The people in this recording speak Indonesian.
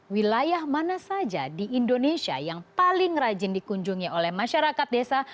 wilayah mana saja di indonesia yang paling rajin dikunjungi oleh masyarakat desa